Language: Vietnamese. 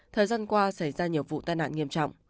thời gian qua xảy ra nhiều vụ tai nạn nghiêm trọng